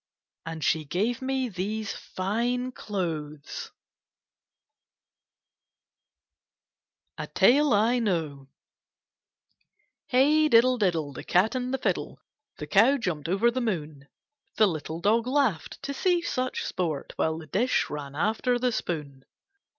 And she gave me these fine clothes. 46 KITTENS Am) CATS A TALE I KNOW Hey! diddle, diddle, The cat and the fiddle. The cow jumped over the moon; The little dog laughed To see such sport. While the dish ran after the spoon.